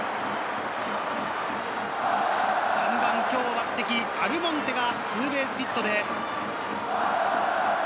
３番に今日抜てき、アルモンテがツーベースヒットで。